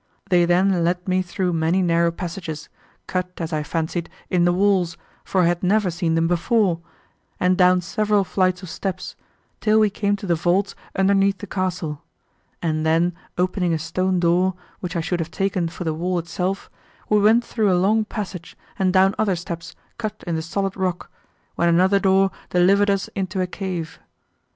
They then led me through many narrow passages, cut, as I fancied, in the walls, for I had never seen them before, and down several flights of steps, till we came to the vaults underneath the castle; and then opening a stone door, which I should have taken for the wall itself, we went through a long passage, and down other steps cut in the solid rock, when another door delivered us into a cave.